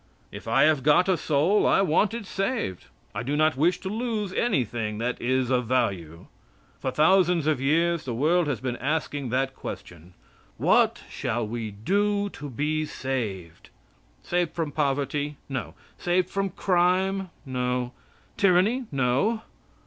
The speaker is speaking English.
If I have got a soul, I want it saved. I do not wish to lose anything that is of value. For thousands of years the world has been asking that question "What shall we do to be saved?" Saved from poverty? No. Saved from crime? No. Tyranny? No.